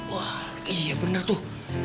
wah iya bener tuh